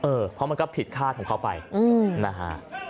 เพราะมันก็ผิดคาดของเขาไปนะฮะ